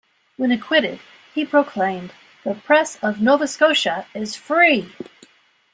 When acquitted, he proclaimed: the Press of Nova Scotia is free.